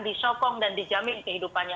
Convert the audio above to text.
disokong dan dijamin kehidupannya